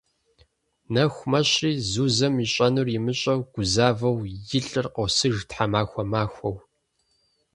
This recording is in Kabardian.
Нэху мэщри, Зузэм ищӏэнур имыщӏэу гузавэу, и лӏыр къосыж тхьэмахуэ махуэу.